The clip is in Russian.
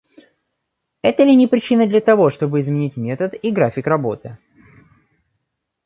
Это ли не причина для того, чтобы изменить метод и график работы?